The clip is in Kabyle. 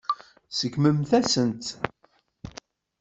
Tseggmemt-asent-t.